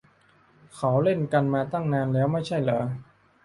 เขาเล่นกันมาตั้งนานแล้วไม่ใช่เหรอ